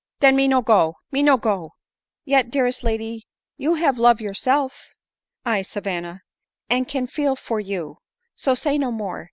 " Den me no go — me no go ;— yet, dearest lady, you have love yourself." " Aye, Savanna, and can feel for you; so say no more.